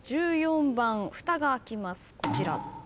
１４番ふたが開きますこちら。